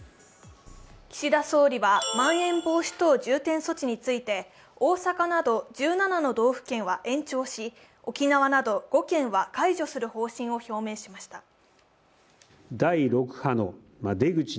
岸田総理はまん延防止等重点措置について、大阪など１７の道府県は延長し沖縄など５県は解除する方針を表明しました。